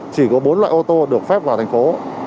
chỉ có bốn loại ô tô được phép vào thành phố